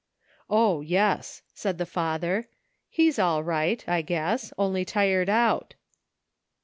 "O, yes!" said the father; "he's all right, I guess, only tired out."